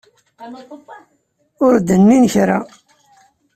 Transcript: Ur d-nnin kra.